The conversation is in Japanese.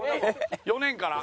４年から。